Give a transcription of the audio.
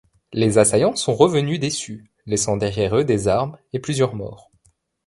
Les assaillants sont revenus déçus, laissant derrière eux des armes et plusieurs morts.